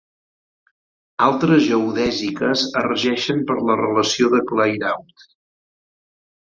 Altres geodèsiques es regeixen per la relació de Clairaut.